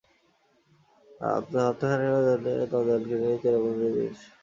অন্তত হপ্তাখানেকের জন্যে তোমার দলকে নিয়ে তুমি চেরাপুঞ্জিতে বেরিয়ে এসো।